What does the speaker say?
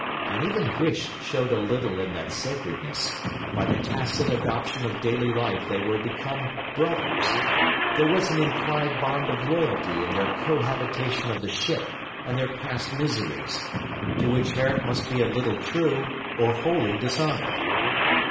And even Huish showed a little in that sacredness; by the tacit adoption of daily life they were become brothers; there was an implied bond of loyalty in their cohabitation of the ship and their passed miseries, to which Herrick must be a little true or wholly dishonoured.